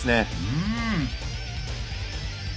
うん。